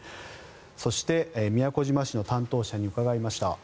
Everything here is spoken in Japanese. そして、宮古島市の担当者に伺いました。